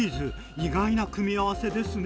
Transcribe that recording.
意外な組み合わせですね。